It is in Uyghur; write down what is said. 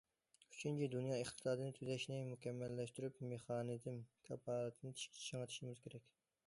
ئۈچىنچى، دۇنيا ئىقتىسادىنى تۈزەشنى مۇكەممەللەشتۈرۈپ، مېخانىزم كاپالىتىنى چىڭىتىشىمىز كېرەك.